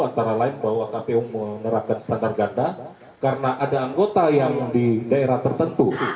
antara lain bahwa kpu menerapkan standar ganda karena ada anggota yang di daerah tertentu